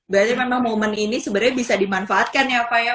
jadi memang momen ini sebenarnya bisa dimanfaatkan ya pak ya